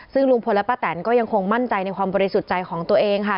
ซึ่งลุงพลและป้าแตนก็ยังคงมั่นใจในความบริสุทธิ์ใจของตัวเองค่ะ